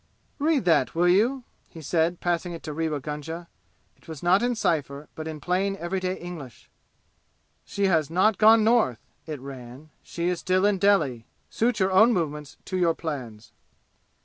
"Read that, will you?" he said, passing it to Rewa Gunga. It was not in cypher, but in plain everyday English. "She has not gone North," it ran. "She is still in Delhi. Suit your own movements to your plans."